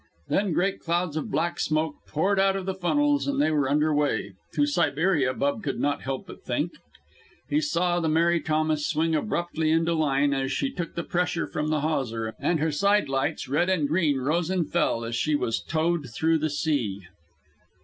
Then great clouds of black smoke poured out of the funnels, and they were under way to Siberia, Bub could not help but think. He saw the Mary Thomas swing abruptly into line as she took the pressure from the hawser, and her side lights, red and green, rose and fell as she was towed through the sea.